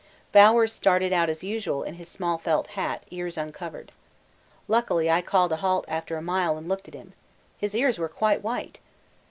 Bowers started out as usual in his small felt hat, ears uncovered. Luckily I called a halt after a mile and looked at him. His ears were quite white.